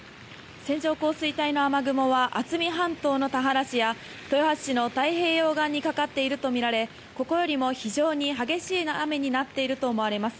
線状降水帯の雨雲は渥美半島の田原市や豊橋市の太平洋側にかかっているとみられここよりも非常に激しい雨になっていると思われます。